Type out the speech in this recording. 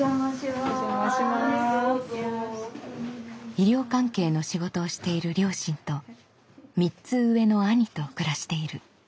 医療関係の仕事をしている両親と３つ上の兄と暮らしている。